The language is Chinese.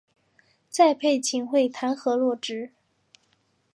再被秦桧弹劾落职。